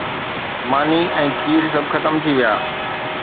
ماني ۽ کير سڀ ختم ٿي ويا.